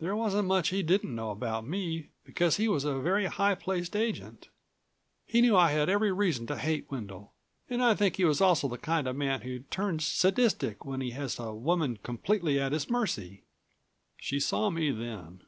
There wasn't much he didn't know about me, because he was a very high placed agent. He knew I had every reason to hate Wendel. And I think he was also the kind of man who turns sadistic when he has a woman completely at his mercy." She saw me then.